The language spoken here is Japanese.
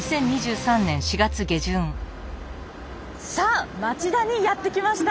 さあ町田にやって来ました。